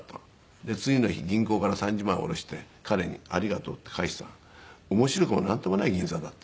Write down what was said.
で次の日銀行から３０万円下ろして彼に「ありがとう」って返したから面白くもなんともない銀座だった。